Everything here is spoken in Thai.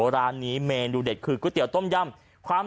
ร้านนี้เมนูเด็ดคือก๋วยเตี๋ต้มยำความ